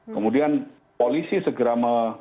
kemudian polisi segera memakamkan